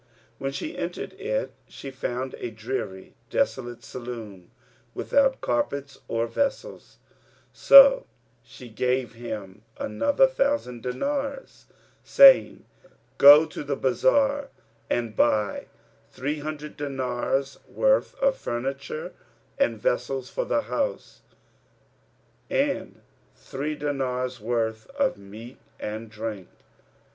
When she entered it, she found a dreary desolate saloon without carpets or vessels; so she gave him other thousand dinars, saying, "Go to the bazar and buy three hundred dinars' worth of furniture and vessels for the house and three dinars' worth of meat and drink."